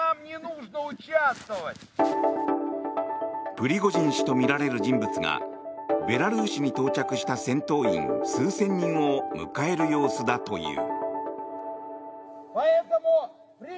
プリゴジン氏とみられる人物がベラルーシに到着した戦闘員、数千人を迎える様子だという。